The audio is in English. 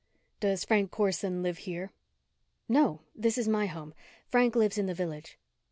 "Does Frank Corson live here?" "No. This is my home. Frank lives in the Village."